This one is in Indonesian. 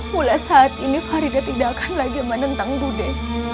mulai sekarang farida tidak akan lagi menentang budha